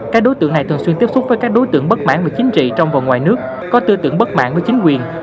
các đối tượng này thường xuyên tiếp xúc với các đối tượng bất mãn về chính trị trong và ngoài nước có tư tưởng bất mãn với chính quyền